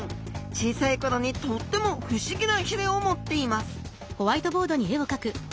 小さい頃にとっても不思議なひれを持っています